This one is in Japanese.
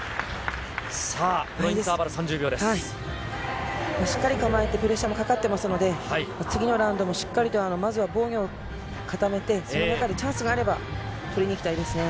さあ、しっかり構えて、プレッシャーもかかってますので、次のラウンドもしっかりと、まずは防御を固めて、その中でチャンスがあれば取りにいきたいですね。